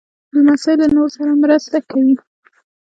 لمسی له نورو سره مرسته کوي.